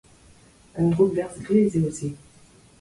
Un droukverzh glez eo se.